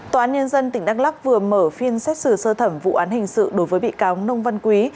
tòa án nhân dân tỉnh đắk lắc vừa mở phiên xét xử sơ thẩm vụ án hình sự đối với bị cáo nông văn quý